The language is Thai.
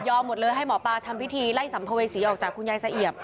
หมดเลยให้หมอปลาทำพิธีไล่สัมภเวษีออกจากคุณยายสะเอียบ